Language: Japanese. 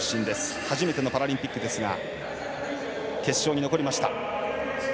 初めてのパラリンピックですが決勝に残りました。